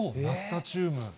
ナスタチューム。